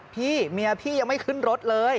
พี่เมียพี่ยังไม่ขึ้นรถเลย